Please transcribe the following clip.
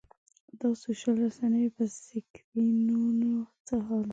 دا سوشل رسنیو په سکرینونو څه حال دی.